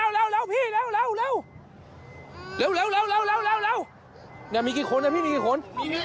เล่ามีกี่คนมีกี่คน